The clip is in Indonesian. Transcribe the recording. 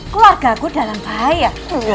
keluarga aku dalam bahaya